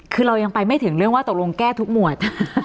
คือเรายังไปไม่ถึงเรื่องว่าตกลงแก้ทุกหมวด